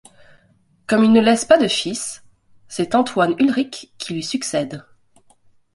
Comme il ne laisse pas de fils, c'est Antoine-Ulrich qui lui succède.